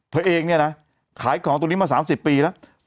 เธอเองเนี่ยนะขายของตัวนี้มาสามสิบปีแล้ว